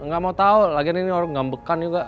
gak mau tau lagi ini orang gambekan juga